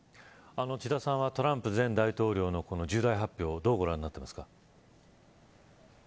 千田さんはトランプ前大統領の重大発表を、どのようにご覧になっていますか。